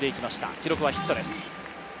記録はヒットです。